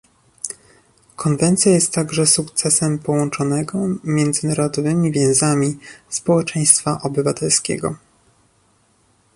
Konwencja jest także sukcesem połączonego międzynarodowymi więzami społeczeństwa obywatelskiego